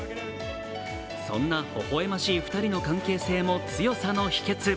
そんなほほえましい２人の関係性も強さの秘訣。